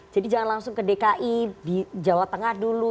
jadi jangan langsung ke dki di jawa tengah dulu